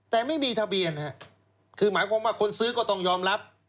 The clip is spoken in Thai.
แต่ไม่มีทะเบียนคือหมายความว่าคนซื้อก็ต้องยอมรับ